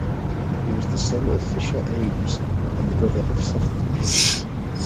He was the son of Fisher Ames and the brother of Seth Ames.